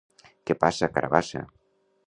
Què passa, carabassa?